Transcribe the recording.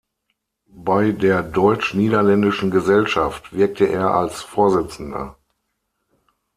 Bei der Deutsch-Niederländischen Gesellschaft wirkte er als Vorsitzender.